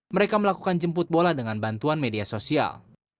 mereka melakukan jemput bola dengan bantuan media sosial